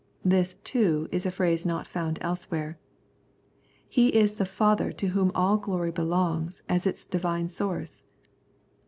This, too, is a phrase not found elsewhere. He is the Father to Whom all glory belongs as its Divine source.